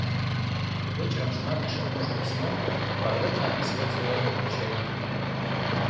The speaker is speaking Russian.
Вечером жена пишет мужу письмо и подробно описывает своё злоключение.